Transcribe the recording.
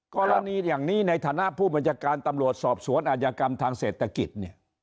กรณีอย่างนี้ในฐานะผู้บัญชาการตำรวจสอบสวนอาจยากรรมทางเศรษฐกิจเนี่ย